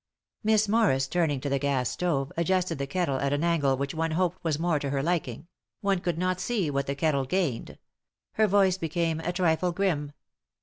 Miss Morris, turning to the gas stove, adjusted the kettle at an angle which one hoped was more to her liking; one could not see what the kettle gained. Her voice became a trifle grim.